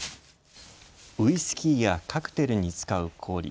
ウイスキーやカクテルに使う氷。